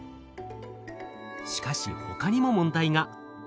しかしほかにも問題が。